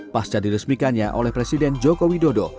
pasca diresmikannya oleh presiden joko widodo